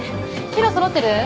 資料そろってる？